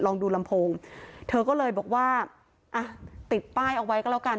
ลองดูลำโพงเธอก็เลยบอกว่าอ่ะติดป้ายเอาไว้ก็แล้วกัน